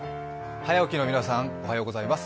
早起きの皆さん、おはようございます。